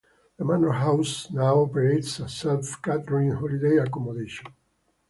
The Manor House now operates as self-catering holiday accommodation.